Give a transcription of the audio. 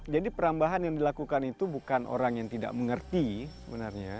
jadi perambahan yang dilakukan itu bukan orang yang tidak mengerti sebenarnya